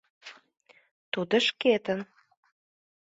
Тудо шкетын.